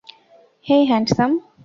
হেই, handsome.